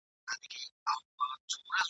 دوست ته حال وایه دښمن ته لاپي !.